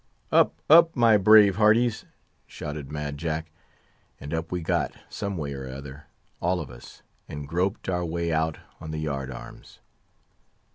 "Up—up, my brave hearties!" shouted Mad Jack; and up we got, some way or other, all of us, and groped our way out on the yard arms.